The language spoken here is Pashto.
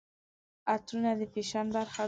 عطرونه د فیشن برخه ده.